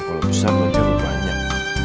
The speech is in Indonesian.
kalau besar menjauh banyak